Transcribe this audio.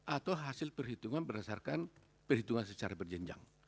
atau hasil perhitungan berdasarkan perhitungan secara berjenjang